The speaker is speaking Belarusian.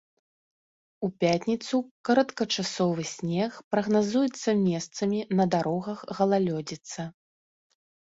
У пятніцу кароткачасовы снег прагназуецца месцамі, на дарогах галалёдзіца.